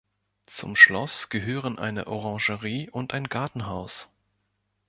Zum Schloss gehören eine Orangerie und ein Gartenhaus.